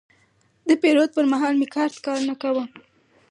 د پیرود پر مهال مې کارت کار نه کاوه.